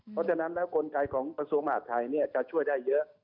เพราะฉะนั้นแล้วกลไกของกระทรวงมหาดไทยจะช่วยได้เยอะ